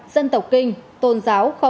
dân tộc kinh tôn giáo